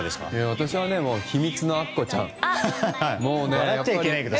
私は「ひみつのアッコちゃん」。